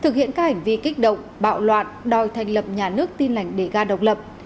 cảm vi kích động bạo loạn đòi thành lập nhà nước tin lành đề ga độc lập